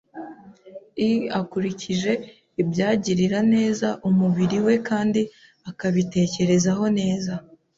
i akurikije ibyagirira neza umubiri we kandi akabitekerezaho neza.